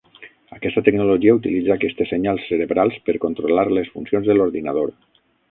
Aquesta tecnologia utilitza aquestes senyals cerebrals per controlar les funcions de l'ordinador.